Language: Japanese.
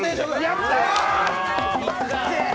やった！